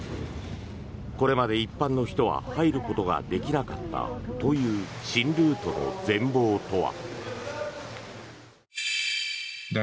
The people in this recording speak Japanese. これまで一般の人は入ることができなかったという新ルートの全ぼうとは。